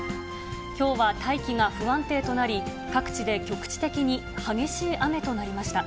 きょうは大気が不安定となり、各地で局地的に激しい雨となりました。